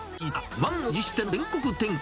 満を持しての全国展開。